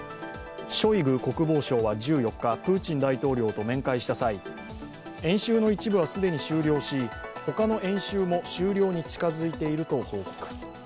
ショイグ国防相は１４日、プーチン大統領と面会した際、演習の一部は既に終了し、他の演習も終了に近づいていると報告。